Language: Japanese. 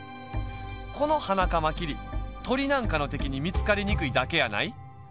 このハナカマキリとりなんかのてきにみつかりにくいだけやない。